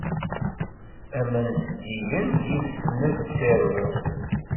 Aman zeddigen, yes-sen ad tsirdeḍ.